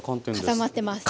固まってますね。